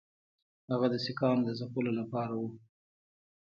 هغه د سیکهانو د ځپلو لپاره وو.